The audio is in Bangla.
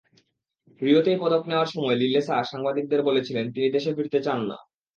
রিওতেই পদক নেওয়ার সময় লিলেসা সাংবাদিকদের বলেছিলেন, তিনি দেশে ফিরতে চান না।